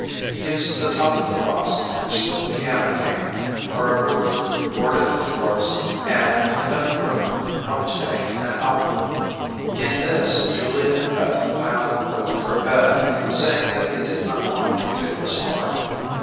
He used the top of the box in which the piano came for a roof, boarded the floors, and, in the middle room, helped to make an alcove. In this Julia and Beth piled up wood for a bed, saying that they did not mind if it was hard.